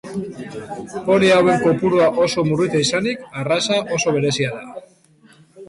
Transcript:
Poni hauen kopurua oso murritza izanik, arraza oso berezia da.